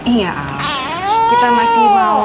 iya kita masih mau